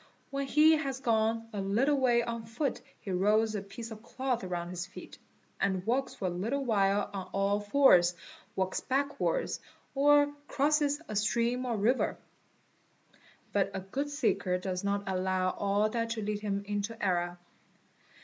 When he has gone a little way on foot he rolls a piece of cloth round his feet, and walks for a little while on all fours, walks backwards, or crosses a stream or river. But a good seeker does not allow all that to lead him into error.